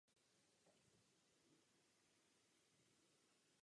Celkově jde o šestou největší pivní firmu na světě.